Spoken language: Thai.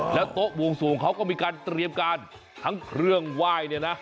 แล้วโต๊ะวงสวงเขาก็มีการเตรียมการทั้งเครื่องไหว้เนี่ยนะ